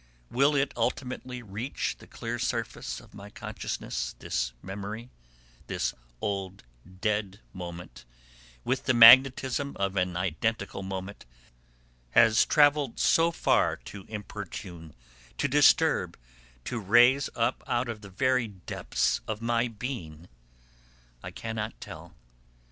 Will it ultimately reach the clear surface of my consciousness, this memory, this old, dead moment which the magnetism of an identical moment has travelled so far to importune, to disturb, to raise up out of the very depths of my being? I cannot tell.